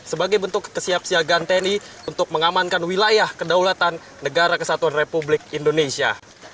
sebagai bentuk kesiapsiagaan tni untuk mengamankan wilayah kedaulatan negara kesatuan republik indonesia